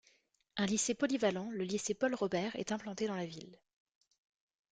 Un lycée polyvalent, le lycée Paul Robert, est implanté dans la ville.